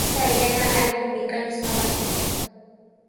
Chay yana allqumi kaniskamashqa.